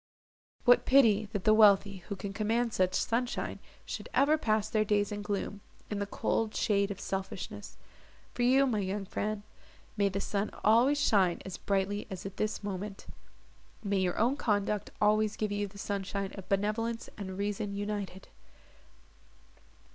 "What pity that the wealthy, who can command such sunshine, should ever pass their days in gloom—in the cold shade of selfishness! For you, my young friend, may the sun always shine as brightly as at this moment; may your own conduct always give you the sunshine of benevolence and reason united!"